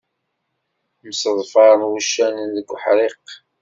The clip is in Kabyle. Mseḍfaren wuccanen deg uḥriq.